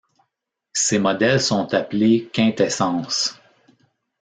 Ces modèles sont appelés quintessence.